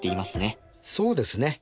そうですね。